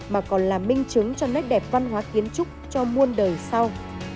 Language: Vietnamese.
mà còn là minh chứng cho nét đẹp văn hóa kiến trúc cho muôn đời sau